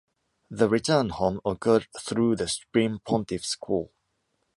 The return home occurred through the Supreme Pontiff’s call.